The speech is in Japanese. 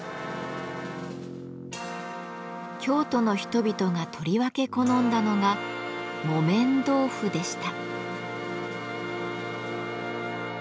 京都の人々がとりわけ好んだのが「木綿豆腐」でした。